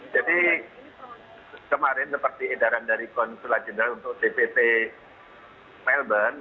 jadi kemarin seperti edaran dari konsulat jenderal untuk tps melbourne